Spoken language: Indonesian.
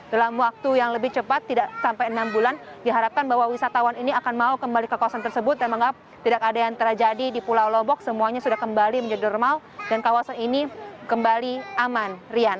dalam waktu yang lebih cepat tidak sampai enam bulan diharapkan bahwa wisatawan ini akan mau kembali ke kawasan tersebut dan menganggap tidak ada yang terjadi di pulau lombok semuanya sudah kembali menjadi normal dan kawasan ini kembali aman rian